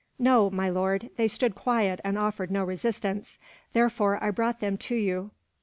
"No, my lord. They stood quiet, and offered no resistance, therefore I brought them to you."